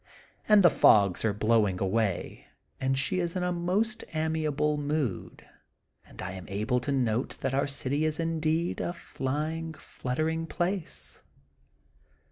And the fogs are blowing away and she is in a most amiable mood^ and I am able to note that our city is indeed a flying, flutter ing place.